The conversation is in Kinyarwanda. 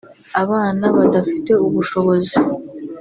abana badafite ubushobozi